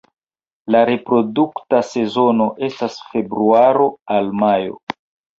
La reprodukta sezono estas februaro al majo.